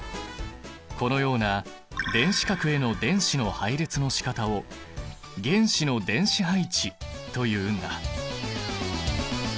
このような電子殻への電子の配列のしかたを原子の電子配置というんだ。